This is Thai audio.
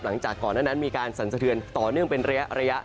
หลังจากก่อนนั้นมีการสรรสเทือนต่อเนื่องเป็นระยะระยะ